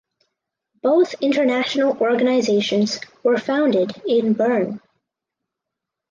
Both international organizations were founded in Bern.